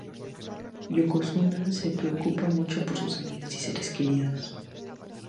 Yokozuna se preocupa mucho por sus amigos y seres queridos.